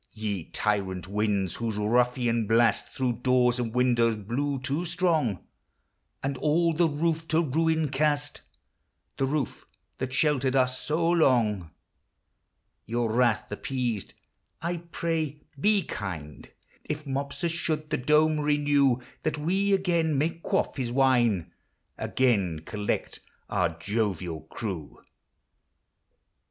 Ye tyrant winds, whose ruffian blast Through doors and windows blew too strong, And all the roof to ruin cast, — The roof that sheltered us so long, — Your wrath appeased, I pray be kind If Mopsus should the dome renew, That we again may quaff his wine, Again collect our jovial crew.